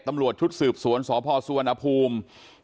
ตำรวจชุดสืบสวนสพสุวรรณภูมิ